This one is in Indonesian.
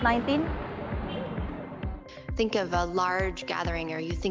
pernahkah anda memikirkan perumahan besar atau merupakan ruang yang berkeluluan